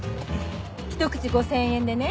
１口５０００円でね